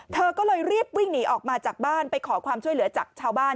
เธอก็เลยรีบวิ่งหนีออกมาจากบ้านไปขอความช่วยเหลือจากชาวบ้าน